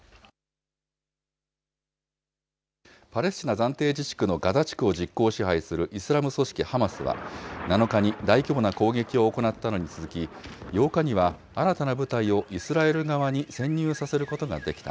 パレスチナ暫定自治区のガザ地区を実効支配するイスラム組織ハマスは、７日に大規模な攻撃を行ったのに続き、８日には新たな部隊をイスラエル側に潜入させることができた。